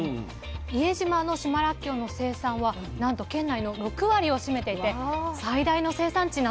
伊江島の島らっきょうの生産はなんと県内の６割を占めていて最大の生産地なんです。